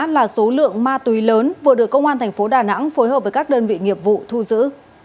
là số lượng ma túy lớn vừa được công an thành phố đà nẵng phối hợp với các đơn vị nghiệp vụ thu giữ